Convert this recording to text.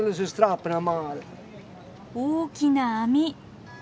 大きな網。